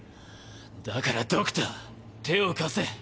だからドクター手を貸せ。